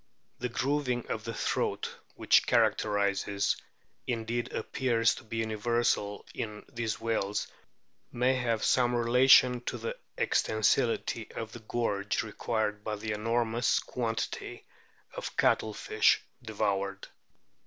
The grooving of the throat which characterises, indeed appears to be universal in, these whales may have some relation to the extensility of the gorge required by the enormous quantity of cuttlefish devoured.